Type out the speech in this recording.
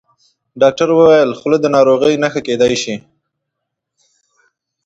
ډاکټر وویل خوله د ناروغۍ نښه کېدای شي.